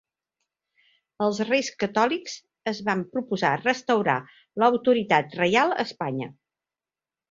Els Reis Catòlics es van proposar restaurar l'autoritat reial a Espanya.